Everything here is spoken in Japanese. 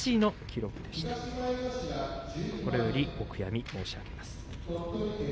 心よりお悔やみ申し上げます。